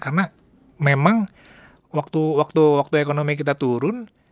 karena memang waktu ekonomi kita turun